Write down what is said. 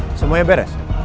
masalah yang lain lagi